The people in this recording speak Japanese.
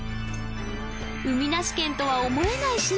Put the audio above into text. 海なし県とは思えない